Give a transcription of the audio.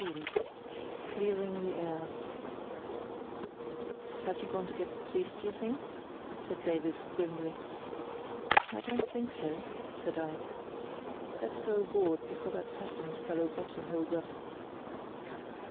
Clearing the Air "Has he gone to get the police, do you think?" said Davies, grimly. "I don't think so," said I. "Let's go aboard before that Customs fellow buttonholes us."